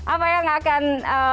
apa yang akan